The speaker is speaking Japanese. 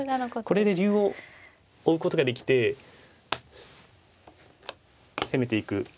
これで竜を追うことができて攻めていく。